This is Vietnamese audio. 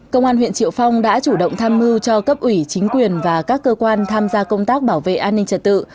công an huyện triệu phong đã chủ động tham mưu cho cấp ủy chính quyền và các cơ quan tham gia công tác bảo vệ an ninh trật tự